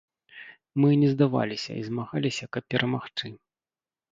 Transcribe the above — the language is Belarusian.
Мы не здаваліся і змагаліся, каб перамагчы.